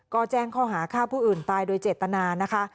ก็แจ้งข้อหาฆ่าผู้อื่นตายโดยเจตนานะคะ